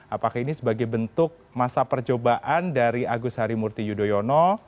apakah ini sebagai bentuk masa percobaan dari agus harimurti yudhoyono